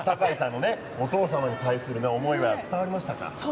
お父さんに対する思いは、伝わりましたか？